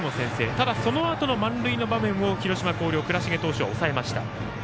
ただ、そのあとの満塁の場面を広島の広陵、倉重投手は抑えました。